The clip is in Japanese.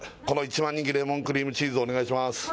この一番人気レモンクリームチーズをお願いします